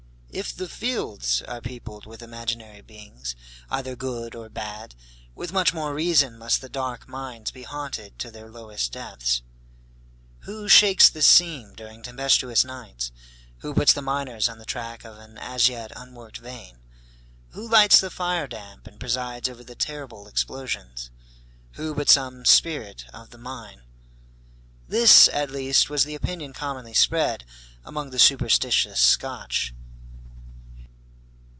If the fields are peopled with imaginary beings, either good or bad, with much more reason must the dark mines be haunted to their lowest depths. Who shakes the seam during tempestuous nights? who puts the miners on the track of an as yet unworked vein? who lights the fire damp, and presides over the terrible explosions? who but some spirit of the mine? This, at least, was the opinion commonly spread among the superstitious Scotch.